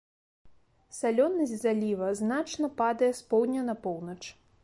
Салёнасць заліва значна падае з поўдня на поўнач.